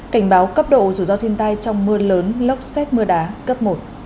cảnh báo cấp độ dù do thiên tai trong mưa lớn lốc xét mưa đá cấp một